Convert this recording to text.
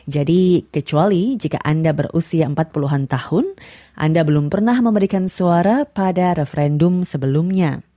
jadi kecuali jika anda berusia empat puluh an tahun anda belum pernah memberikan suara pada referendum sebelumnya